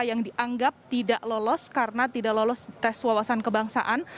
yang dianggap tidak lolos karena tidak lolos tes wawasan kebangsaan